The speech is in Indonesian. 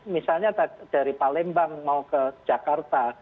misalnya dari palembang mau ke jakarta